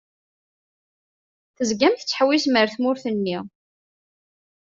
Tezgam tettḥewwisem ar tmurt-nni.